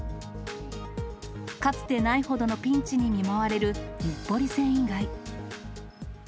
かつてないほどのピンチに見舞われる日暮里繊維街。